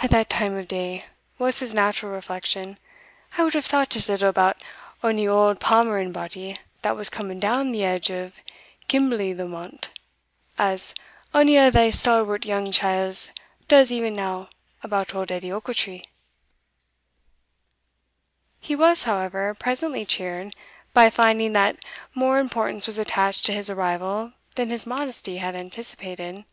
"At that time of day," was his natural reflection, "I would have thought as little about ony auld palmering body that was coming down the edge of Kinblythemont, as ony o' thae stalwart young chiels does e'enow about auld Edie Ochiltree." He was, however, presently cheered, by finding that more importance was attached to his arrival than his modesty had anticipated.